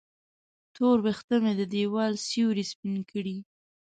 تور وېښته مې د دیوال سیورې سپین کړي